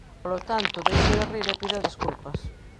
Polo tanto, deixe de rir e pida desculpas.